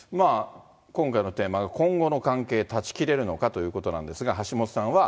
今回のテーマが、今後の関係断ちきれるのかというなんですが、橋下さんは。